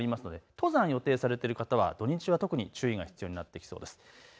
登山を予定されている方は土日は特に注意が必要になってきそうです。